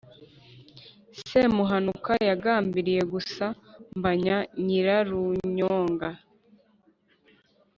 semuhanuka yagambiriye gusa mbanya nyirarunyonga